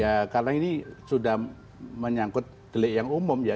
ya karena ini sudah menyangkut delik yang umum ya